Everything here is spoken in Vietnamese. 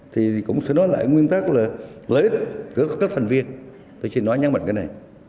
thì cũng sẽ nói lại nguyên tắc là lợi ích của các thành viên tôi xin nói nhắn mạnh cái này